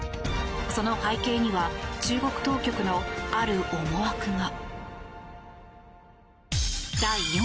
その背景には中国当局のある思惑が。